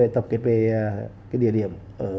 tập kết về địa điểm